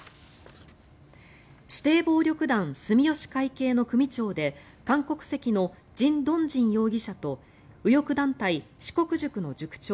指定暴力団住吉会系の組長で韓国籍のジン・ドンジン容疑者と右翼団体志國塾の塾長